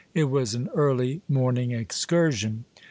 It was an early morning excursion.